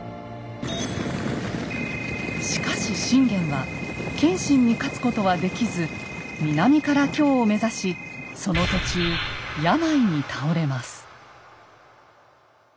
しかし信玄は謙信に勝つことはできず南から京を目指しその途中病に倒れます。